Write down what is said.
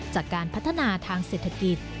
จากการพัฒนาทางเศรษฐกิจ